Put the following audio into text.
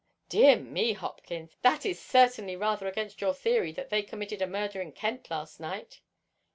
"Dear me, Hopkins! That is certainly rather against your theory that they committed a murder in Kent last night."